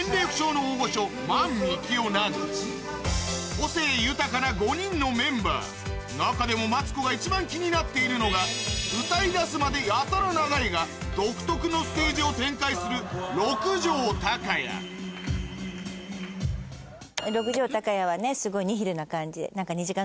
個性豊かな５人のメンバー中でもマツコが一番気になっているのが歌い出すまでやたら長いが独特のステージを展開するはすごいニヒルな感じで。